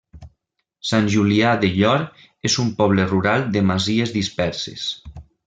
Sant Julià del Llor és un poble rural de masies disperses.